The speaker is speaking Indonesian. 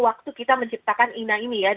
waktu kita menciptakan ina ini ya